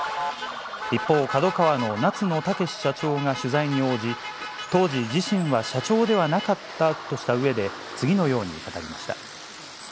一方、ＫＡＤＯＫＡＷＡの夏野剛社長が取材に応じ、当時、自身は社長ではなかったとしたうえで、次のように語りました。